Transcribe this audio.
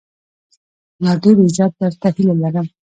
لا ډېر عزت، درته هيله لرم